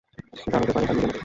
সেটা হতে পারে তার নিজের নাতি।